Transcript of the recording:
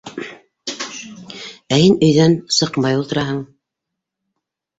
Ә һин өйҙән сыҡмай ултыраһың.